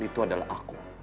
itu adalah aku